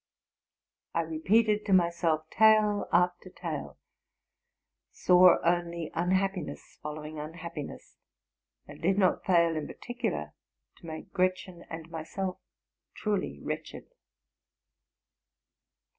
I repeated to myself tale after tale, saw only unhappiness following unhappiness, and did not fail in particular to make Gretchen and myself truly wretched.